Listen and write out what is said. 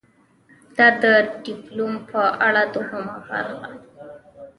دا ده د پیلوټ په اړه دوهمه برخه: